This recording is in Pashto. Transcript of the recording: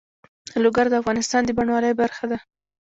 لوگر د افغانستان د بڼوالۍ برخه ده.